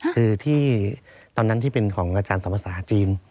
คือที่ตอนนั้นที่เป็นของอาจารย์สมภาษาจีน